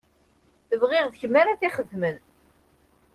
Bɣiɣ d kemm ara t-ixedmen.